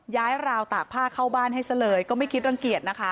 ราวตากผ้าเข้าบ้านให้ซะเลยก็ไม่คิดรังเกียจนะคะ